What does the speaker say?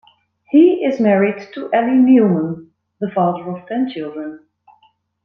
He is married to Ali Neeleman the father of ten children.